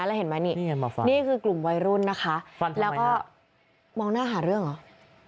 แล้วเห็นไหมนี่นี่คือกลุ่มวัยรุ่นนะคะแล้วก็มองหน้าหาเรื่องเหรอ